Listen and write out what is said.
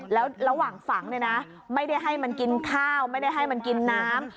แล้วระหว่างฝังเนี่ยนะไม่ได้ให้มันกินข้าวไม่ได้ให้มันกินน้ำ